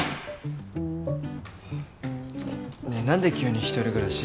ねえなんで急に一人暮らし？